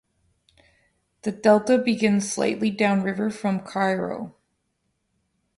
The Delta begins slightly down-river from Cairo.